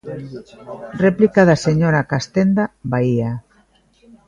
Réplica da señora Castenda Baía.